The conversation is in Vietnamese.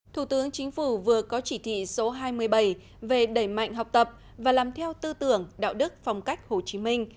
thủ tướng chính phủ vừa có chỉ thị số hai mươi bảy về đẩy mạnh học tập và làm theo tư tưởng đạo đức phong cách hồ chí minh